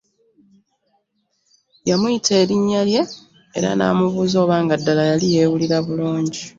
Yamuyita erinnya lye era n'amubuuza oba nga ddala yali yeewulira bulungi